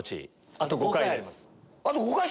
あと５回です。